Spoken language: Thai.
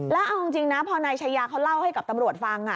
แล้วเอาจริงนะพอนายชายาเขาเล่าให้กับตำรวจฟัง